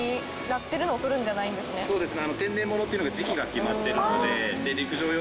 そうですね。